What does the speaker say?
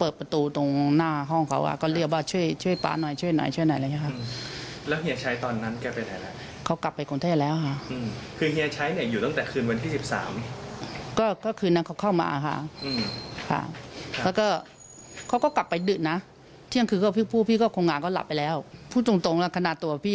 พูดตรงแล้วขณะตัวพี่เนี่ยพี่ก็บอกเค้าเลยเค้าจะมาต่อยพี่เลย